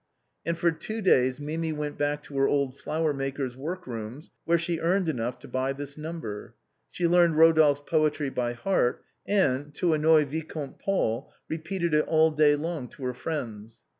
And for two days Mimi went back to her old flower maker's workrooms, where she earned enough to buy this number. She learned Eodolphe's poetry by heart, and, to annoy Vicomte Paul, repeated it all day long to her friends.